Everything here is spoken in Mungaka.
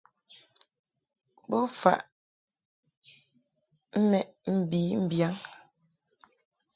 Bo faʼ mɛʼ mbi mbiyaŋ.